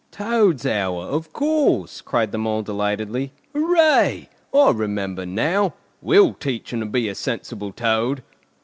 "Toad's hour, of course!" cried the Mole delightedly. "Hooray! I remember now! We'll teach him to be a sensible Toad!"